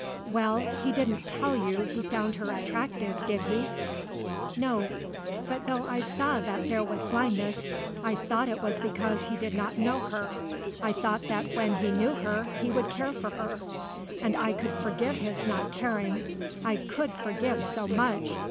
"Well, he didn't tell you he found her attractive, did he?" "No. But though I saw that there was blindness, I thought it was because he did not know her. I thought that when he knew her he would care for her. And I could forgive his not caring. I could forgive so much.